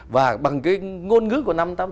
và bằng cái ngôn ngữ của năm tám mươi sáu